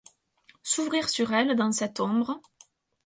S’ouvrir sur elle dans cette ombre